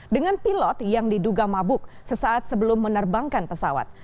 dengan pilot yang diduga mabuk sesaat sebelum menerbangkan pesawat